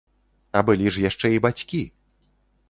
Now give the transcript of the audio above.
А былі ж яшчэ і бацькі!